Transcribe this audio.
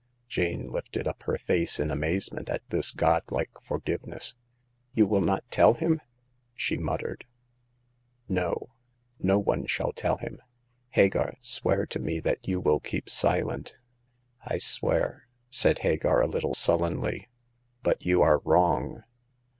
Jane lifted up her face in amazement at this God like forgiveness. " You will not tell him ?" she muttered. " No. No one shall tell him. Hagar, swear to me that you will keep silent." "I swear," said Hagar, a little sullenly. " But you are wrong."